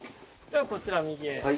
こちら右へ。